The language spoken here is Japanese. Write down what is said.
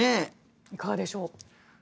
いかがでしょう。